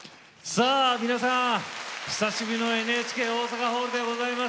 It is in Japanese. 皆さん久しぶりのＮＨＫ大阪ホールでございます。